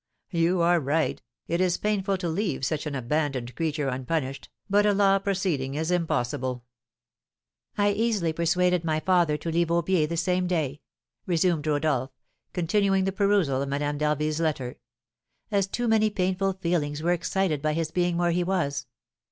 "You are right, it is painful to leave such an abandoned creature unpunished, but a law proceeding is impossible." "I easily persuaded my father to leave Aubiers the same day," resumed Rodolph, continuing the perusal of Madame d'Harville's letter, "as too many painful feelings were excited by his being where he was.